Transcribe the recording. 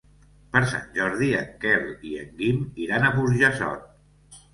Per Sant Jordi en Quel i en Guim iran a Burjassot.